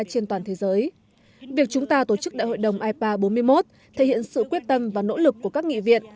trên toàn thế giới việc chúng ta tổ chức đại hội đồng ipa bốn mươi một thể hiện sự quyết tâm và nỗ lực của các nghị viện